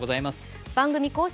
番組公式